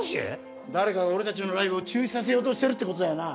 誰かが俺たちのライブを中止させようとしてるって事だよな。